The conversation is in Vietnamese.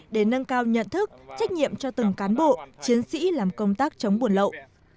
để nâng cao nhận thức trách nhiệm cho từng cán bộ chiến sĩ làm công tác chống buôn lậu